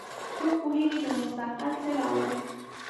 څوک پوهیږي چې مستقبل څه راوړي